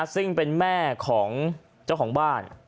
ซึ่งเป็นแม่ของเจ้าของบ้าน